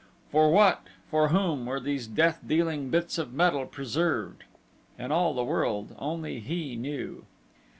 For what, for whom were these death dealing bits of metal preserved? In all the world only he knew.